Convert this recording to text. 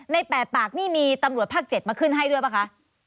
๘ปากนี่มีตำรวจภาค๗มาขึ้นให้ด้วยป่ะคะ